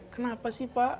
kenapa sih pak